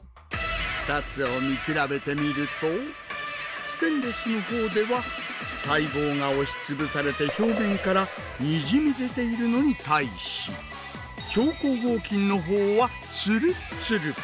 ２つを見比べてみるとステンレスの方では細胞が押し潰されて表面からにじみ出ているのに対し超硬合金の方はツルツル！